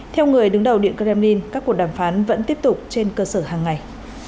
theo người đứng đầu điện kremlin các cuộc đàm phán vẫn tiếp tục trên cơ sở hàng ngày